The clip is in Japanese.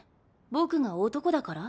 僕が男だから？